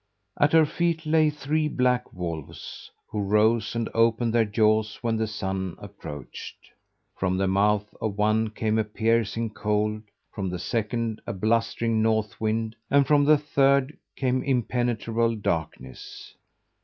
At her feet lay three black wolves, who rose and opened their jaws when the Sun approached. From the mouth of one came a piercing cold, from the second a blustering north wind, and from the third came impenetrable darkness.